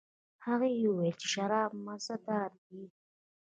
هغې وویل چې شراب مزه دار دي.